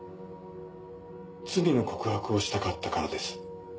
罪の告白をしたかったからです。